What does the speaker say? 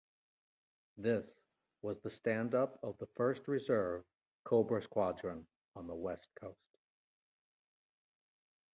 This was the standup of the first Reserve Cobra Squadron on the west coast.